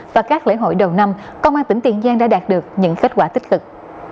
và các lễ hội đầu năm công an tỉnh tiền giang đã đạt được những kết quả tích cực